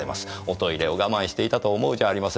おトイレを我慢していたと思うじゃありませんか。